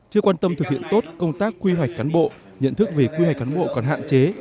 chưa quan tâm thực hiện tốt công tác quy hoạch cán bộ nhận thức về quy hoạch cán bộ còn hạn chế